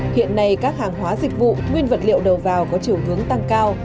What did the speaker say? hiện nay các hàng hóa dịch vụ nguyên vật liệu đầu vào có chiều hướng tăng cao